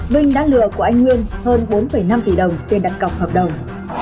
minh đã lừa của anh nguyên hơn bốn năm tỷ đồng tiền đặt cọc hợp đồng